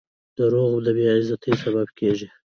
• دروغ د بې عزتۍ سبب کیږي.